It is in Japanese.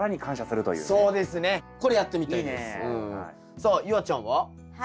さあ夕空ちゃんは？